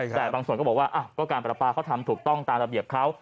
แต่บางส่วนก็บอกว่าก็การประปาเขาทำถูกต้องตามระเบียบเขา